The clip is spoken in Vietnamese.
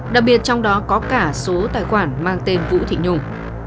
đặc biệt trong đó có cả số tài khoản mang tên vũ thị nhung